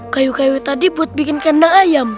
kayu kayu tadi buat bikin kandang ayam